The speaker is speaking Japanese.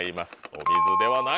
「お水」ではない。